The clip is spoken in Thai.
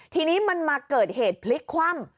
ทีนี้มันมาเกิดเหตุพลิกคว่ำ